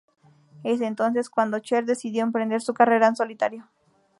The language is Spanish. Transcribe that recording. Es entonces cuando Cher decidió emprender su carrera en solitario.